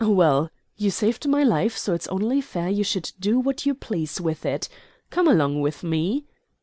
Well, you've saved my life, so it's only fair you should do what you please with it. Come along with me."